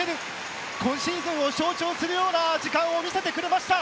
今シーズンを象徴するような時間を見せてくれました！